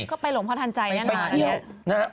พยายามไปหลมพอทั้งใจครับ